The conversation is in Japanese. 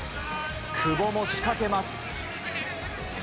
久保も仕掛けます。